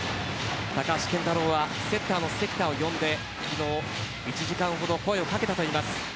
高橋健太郎はセッターの関田を呼んで昨日、１時間ほど声をかけたといいます。